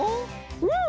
うん。